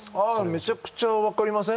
めちゃくちゃ分かりません？